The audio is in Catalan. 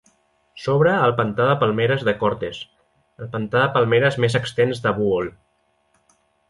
S'obre al pantà de palmeres de Cortes, el pantà de palmeres més extens de Bohol.